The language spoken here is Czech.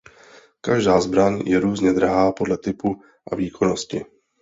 Každá zbraň je různě drahá podle typu a výkonnosti.